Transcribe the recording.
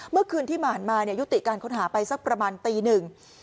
เมื่อคืนที่ผ่านมายุติการค้นหาไปสักประมาณตีหนึ่ง